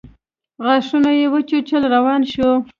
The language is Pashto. غاښونه يې وچيچل روان شو.